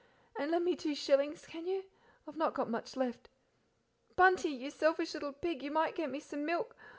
And lend me two shillings, can you? I've not got much left. Bunty, you selfish little pig, you might get me some milk!